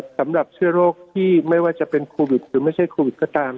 สำหรับเชื้อโรคที่ไม่ว่าจะเป็นโควิดหรือไม่ใช่โควิดก็ตาม